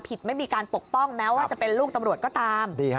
ไม่มีการปกป้องแม้ว่าจะเป็นลูกตำรวจก็ตาม